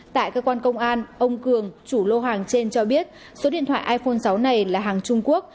tại cơ quan công an ông cường chủ lô hàng trên cho biết số điện thoại iphone sáu này là hàng trung quốc